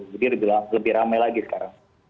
jadi lebih ramai lagi sekarang